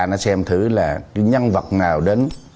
nó xem thử là cái nhân vật nào đến